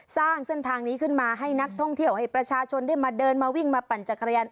สร้างเส้นทางนี้ขึ้นมาให้นักท่องเที่ยวให้ประชาชนได้มาเดินมาวิ่งมาปั่นจักรยาน